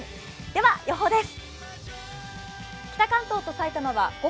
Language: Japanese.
では、予報です。